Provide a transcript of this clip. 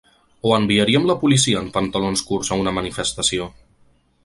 O enviaríem la policia en pantalons curts a una manifestació?